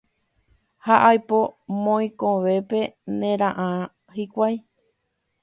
Ha ipo mokõivépe nera'ã hikuái